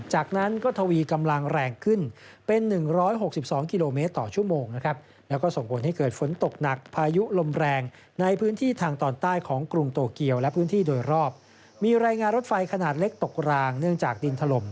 จากนั้นก็ทวีกำลังแรงขึ้นเป็น๑๖๒กิโลเมตรต่อชั่วโมงนะครับ